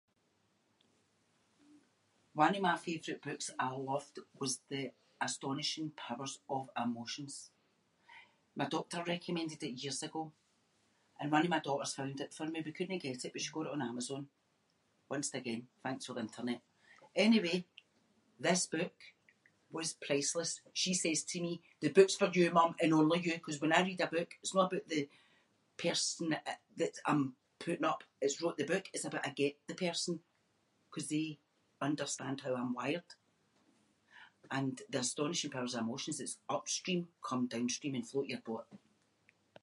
One of my favourite books I loved was The Astonishing Powers of Emotions. My doctor recommended it years ago and one of my daughters found it for me. We couldnae get it but she got it on Amazon. Once again, thanks for the internet. Anyway, this book was priceless. She says to me “the book’s for you, mum, and only you” ‘cause when I read a book it’s no aboot the person that I- that I’m putting up that’s wrote the book, it’s aboot I get the person ‘cause they understand how I’m wired. And The Astonishing Powers of Emotions, it’s upstream come downstream and float your boat.